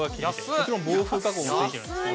もちろん防風加工もついてるんですね。